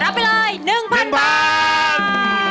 รับไปเลย๑พันบาท